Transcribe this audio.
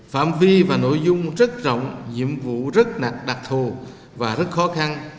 phạm vi và nội dung rất rộng nhiệm vụ rất nặng đặc thù và rất khó khăn